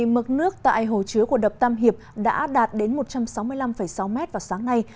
mực nước tại hồ chứa của đập tam hiệp đã đạt đến một trăm sáu mươi năm sáu m vào sáng nay